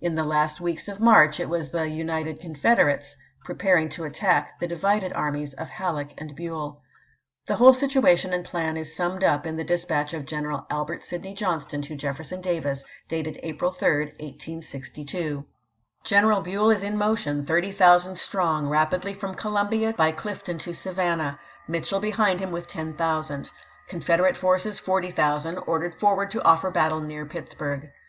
In the last weeks of March it was the united Confederates preparing to attack the divided armies of Halleck and BueU. The whole situation and plan is summed up in the dis patch of General Albert Sidney Johnston to Jef ferson Davis, dated April 3, 1862 :" General BueU is in motion, 30,000 strong, rapidly from Columbia by Clifton to Savannah ; Mitchel behind him with 10,000. Confederate forces, 40,000, ordered for ward to offer battle near Pittsburg.